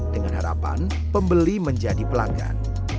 dengan harapan pembeli menjadi pelanggan